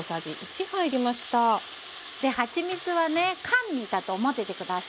はちみつはね甘味だと思ってて下さい。